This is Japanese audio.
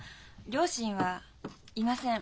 両親はいません。